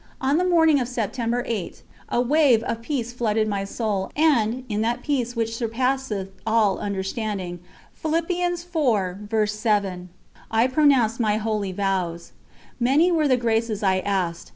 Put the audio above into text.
On the morning of September 8, a wave of peace flooded my soul, and, in "that peace which surpasseth all understanding," I pronounced my holy vows. Many were the graces I asked.